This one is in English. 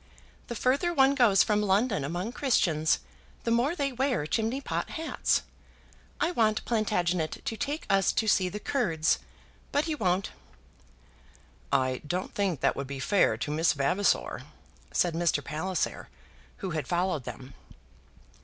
The further one goes from London among Christians, the more they wear chimney pot hats. I want Plantagenet to take us to see the Kurds, but he won't." "I don't think that would be fair to Miss Vavasor," said Mr. Palliser, who had followed them.